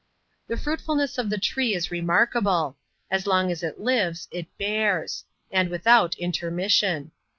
The fruitfulness of the tree is remarkable. As k>ng as it lives, it bears; and without intermission.